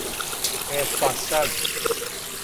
Е па, сад.